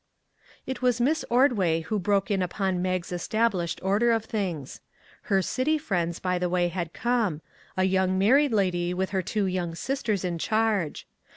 It was Miss Ordway who broke in upon Mag's established order of things. Her city friends, by the way, had come; a young mar ried lady with her two young sisters in charge.